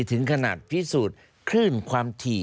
ถึงขนาดพิสูจน์คลื่นความถี่